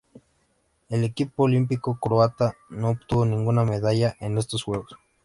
El equipo olímpico croata no obtuvo ninguna medalla en estos Juegos.